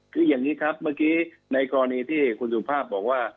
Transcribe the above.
คืออย่างนี้ครับเมื่อกี้ในกรณีที่คุณสุภาพบอกว่า